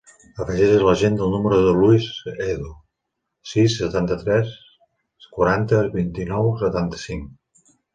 Afegeix a l'agenda el número del Luis Edo: sis, setanta-tres, quaranta, vint-i-nou, setanta-cinc.